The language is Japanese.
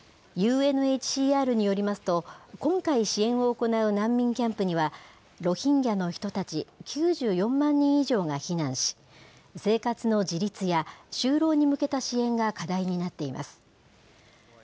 ＵＮＨＣＲによりますと、今回支援を行う難民キャンプには、ロヒンギャの人たち９４万人以上が避難し、生活の自立や就労に向けた支援が課題になっています。